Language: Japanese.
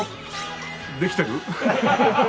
できてる？